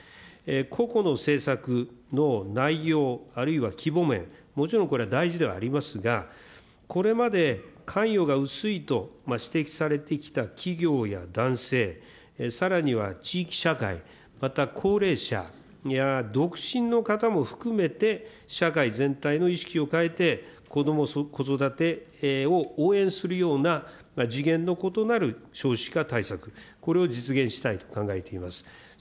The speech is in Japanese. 個々の政策の内容あるいは規模面、もちろんこれは大事ではありますが、これまで関与が薄いと指摘されてきた企業や男性、さらには地域社会、また高齢者や独身の方も含めて、社会全体の意識を変えて、こども・子育てを応援するような次元の異なる少子化対策、これを実現したいと考えています。